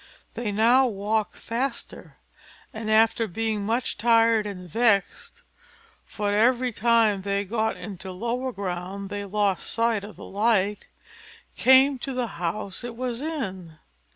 They now walked faster; and after being much tired and vexed (for every time they got into lower ground they lost sight of the light), came to the house it was in.